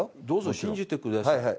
どうぞ、信じてください。